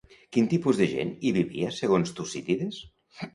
Quin tipus de gent hi vivia segons Tucídides?